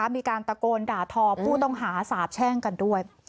มีการตะโกนด่าทอผู้ต้องหาสาบแช่งกันด้วย